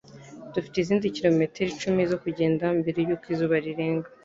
Dufite izindi kilometero icumi zo kugenda mbere yuko izuba rirenga